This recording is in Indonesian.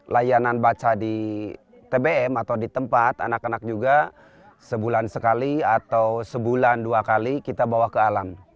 layanan baca di tbm atau di tempat anak anak juga sebulan sekali atau sebulan dua kali kita bawa ke alam